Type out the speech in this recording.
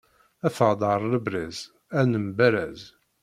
Ffeɣ-d ar lebraz, ad nemberraz!